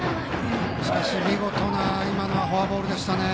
しかし見事なフォアボールでした。